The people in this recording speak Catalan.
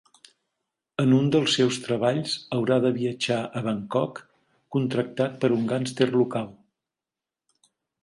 En un dels seus treballs haurà de viatjar a Bangkok contractat per un gàngster local.